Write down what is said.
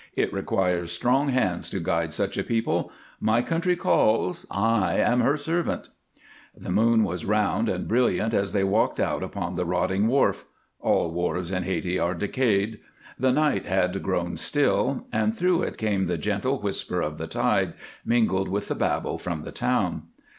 It requires strong hands to guide such a people. My country calls. I am her servant." The moon was round and brilliant as they walked out upon the rotting wharf all wharves in Hayti are decayed the night had grown still, and through it came the gentle whisper of the tide, mingled with the babel from the town.